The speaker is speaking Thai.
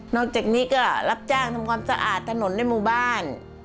จากนี้ก็รับจ้างทำความสะอาดถนนในหมู่บ้าน